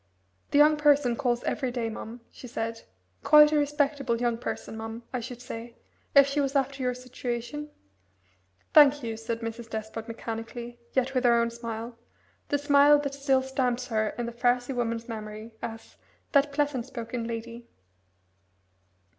"The young person calls every day, mum," she said; "quite a respectable young person, mum, I should say if she was after your situation." "Thank you," said Mrs. Despard mechanically, yet with her own smile the smile that still stamps her in the frowsy woman's memory as "that pleasant spoken lady."